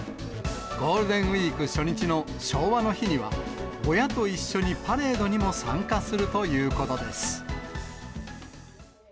ゴールデンウィーク初日の昭和の日には、親と一緒にパレードにも参加するということです。